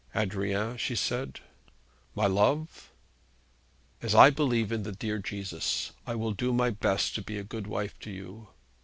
'Adrian,' she said. 'My love?' 'As I believe in the dear Jesus, I will do my best to be a good wife to you.'